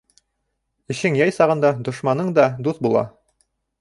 Эшең яй сағында дошманың да дуҫ була.